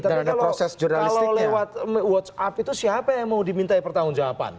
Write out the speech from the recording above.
tapi kalau lewat whatsapp itu siapa yang mau dimintai pertanggung jawaban